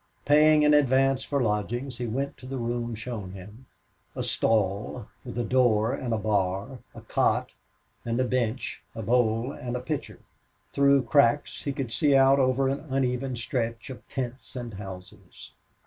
Paying in advance for lodgings, he went to the room shown him a stall with a door and a bar, a cot and a bench, a bowl and a pitcher. Through cracks he could see out over an uneven stretch of tents and houses.